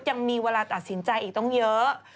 ยังมีเวลาตัดสินใจอีกต้องเยอะ